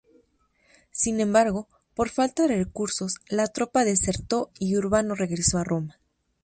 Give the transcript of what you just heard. Sin embargo, por falta de recursos la tropa desertó y Urbano regresó a Roma.